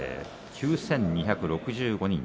９２６５人。